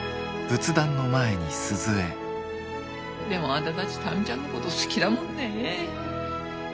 でもあんたたち民ちゃんのこと好きだもんねえ。